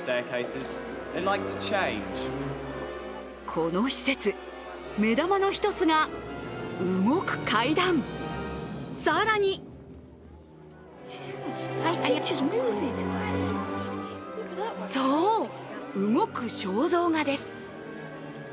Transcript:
この施設、目玉の一つが動く階段、更にそう、動く肖像画です。